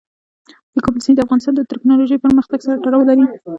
د کابل سیند د افغانستان د تکنالوژۍ پرمختګ سره تړاو لري.